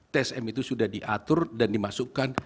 tsm itu sudah diatur dan dimasukkan